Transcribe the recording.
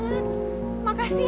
aduh ya allah makasih